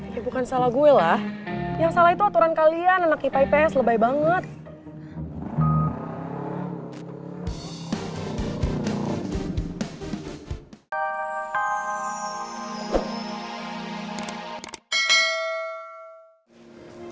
ini bukan salah gue lah yang salah itu aturan kalian anak kipai pes lebay banget